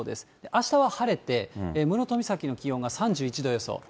あしたは晴れて、室戸岬の気温が３１度予想。